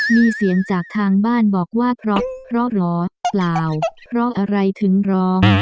มีเสียงจากทางบ้านบอกว่าเพราะเหรอเปล่าเพราะอะไรถึงร้อง